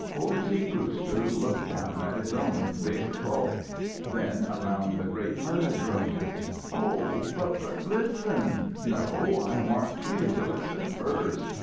Hosey Brewster looked down at his own big bulk. Then around the great furnace room. "Oh, but listen " "No, I want you to listen first.